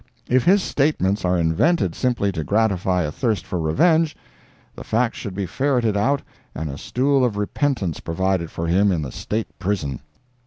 If his statements are invented simply to gratify a thirst for revenge, the fact should be ferreted out and a stool of repentence provided for him in the State Prison.